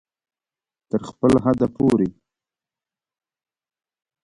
تر خپل حده پورې